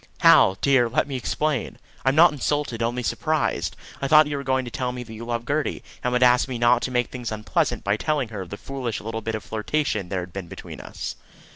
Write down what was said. "Hal, dear, let me explain. I'm not insulted, only surprised. I thought you were going to tell me that you loved Gertie, and would ask me not to make things unpleasant by telling her of the foolish little bit of flirtation there had been between us."